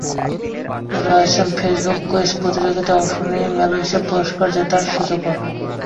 রয়েছে ফেসবুকে কুইজ প্রতিযোগিতায় অংশ নিয়ে মেলায় এসে পুরস্কার জেতার সুযোগও।